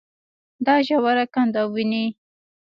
دا ژوره کنده وينې.